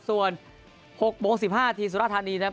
ส่วน๖โมง๑๕นาทีสุรธานีนะครับ